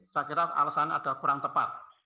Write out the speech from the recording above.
saya kira alasan ada kurang tepat